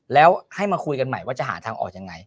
แล้วให้มาคุยกันใหม่ว่าจะหาทางออกยังไง